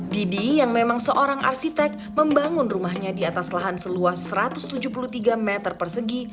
didi yang memang seorang arsitek membangun rumahnya di atas lahan seluas satu ratus tujuh puluh tiga meter persegi